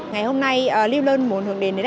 ngày hôm nay liêm lơn muốn hưởng đến